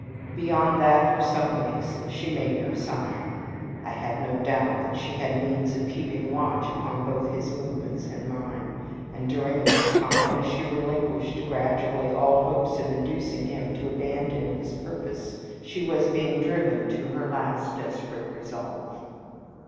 Beyond that for some weeks she made no sign. I have no doubt that she had means of keeping watch upon both his movements and mine; and during that time, as she relinquished gradually all hopes of inducing him to abandon his purpose, she was being driven to her last despairing resolve.